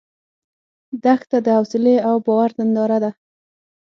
دښته د حوصله او باور ننداره ده.